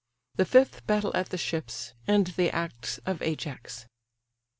THE FIFTH BATTLE AT THE SHIPS; AND THE ACTS OF AJAX.